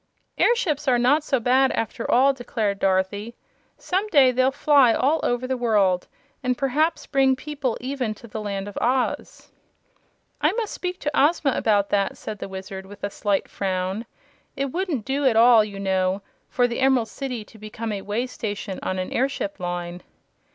"Airships are not so bad, after all," declared Dorothy. "Some day they'll fly all over the world, and perhaps bring people even to the Land of Oz." "I must speak to Ozma about that," said the Wizard, with a slight frown. "It wouldn't do at all, you know, for the Emerald City to become a way station on an airship line."